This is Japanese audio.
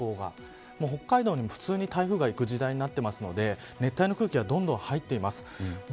北海道にも普通に台風がいく時代になっていますので熱帯の空気がどんどん入っています。